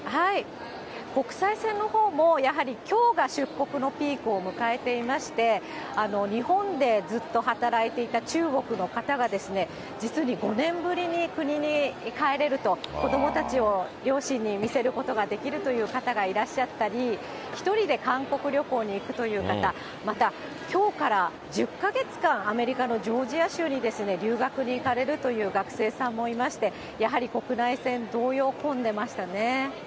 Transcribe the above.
国際線のほうもやはりきょうが出国のピークを迎えていまして、日本でずっと働いていた中国の方が、実に５年ぶりに国に帰れると、子どもたちを両親に見せることができるという方がいらっしゃったり、１人で韓国旅行に行くという方、またきょうから１０か月間、アメリカのジョージア州に留学に行かれるという学生さんもいまして、やはり国内線同様、混んでましたね。